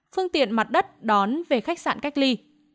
phương tiện mặt đất đón về khách sạn cách ly